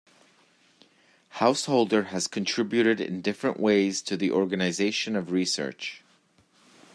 Householder has contributed in different ways to the organisation of research.